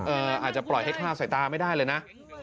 อ่าเอ่ออาจจะปล่อยให้ข้าวใส่ตาไม่ได้เลยนะ